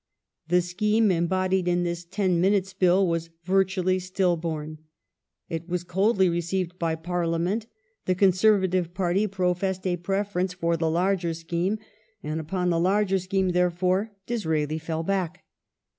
The scheme embodied in this " Ten Minutes Bill " was virtually still born. It was coldly received by Pai liament ; the Conservative party professed a preference for the larger scheme ; and upon the larger scheme, therefore, Disraeli fell back.